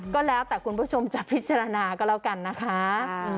ก็แล้วแต่คุณผู้ชมจะพิจารณาก็แล้วกันนะคะ